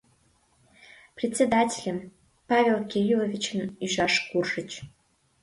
Председательым, Павел Кирилловичын, ӱжаш куржыч.